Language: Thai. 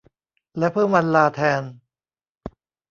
แล้วเพิ่มวันลาแทน